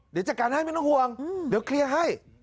เดี๋ยวจัดการให้ไม่ต้องห่วงเดี๋ยวเคลียร์ให้